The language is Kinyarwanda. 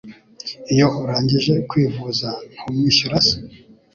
Iyo urangije kwivuza ntumwishyura se?